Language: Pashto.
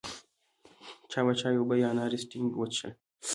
چا به چای، اوبه یا اناري سټینګ وڅښل.